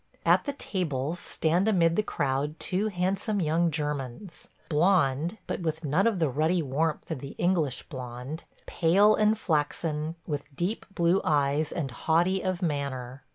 At the tables stand amid the crowd two handsome young Germans – blond, but with none of the ruddy warmth of the English blond; pale and flaxen, with deep blue eyes and haughty of manner.